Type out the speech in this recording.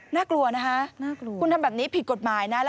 น่ากลัวนะฮะคุณทำแบบนี้ผิดกฎหมายนะน่ากลัว